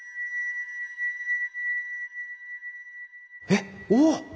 えっおお！